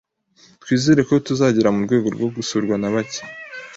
Twizere ko tuzagera murwego rwo gusurwa na bake